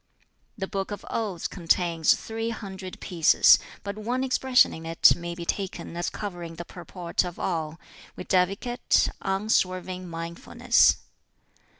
"The 'Book of Odes' contains three hundred pieces, but one expression in it may be taken as covering the purport of all, viz., Unswerving mindfulness.